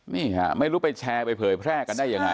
นี่ค่ะไม่รู้ไปแชร์ไปเผยแพร่กันได้ยังไง